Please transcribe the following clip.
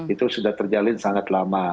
itu sudah terjalin sangat lama